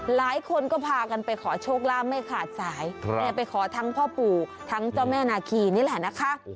หลายคนก็พากันไปขอโชคลาภไม่ขาดสายไปขอทั้งพ่อปู่ทั้งเจ้าแม่นาคีนี่แหละนะคะ